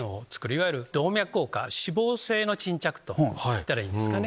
いわゆる動脈硬化脂肪性の沈着といったらいいですかね。